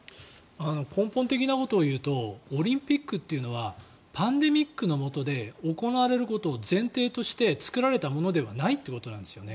根本的なことを言うとオリンピックはパンデミックのもとで行われることを前提として作られたものではないということなんですね。